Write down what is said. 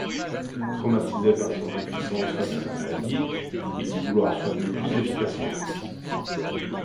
Traumatisé par son impuissance face à la maladie, il dit vouloir soigner plus efficacement.